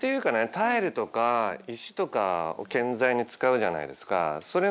タイルとか石とかを建材に使うじゃないですか。